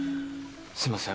すいません